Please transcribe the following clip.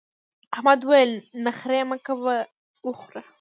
احمد وويل: نخرې مه کوه وخوره.